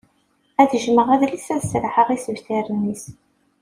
Ad jmeɣ adlis ad sraḥeɣ isebtaren-is.